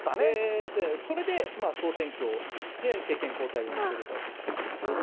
それで総選挙で政権交代を成し遂げたと。